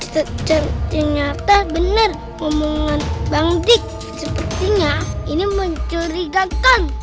ternyata bener ngomongan bang dik sepertinya ini mencurigakan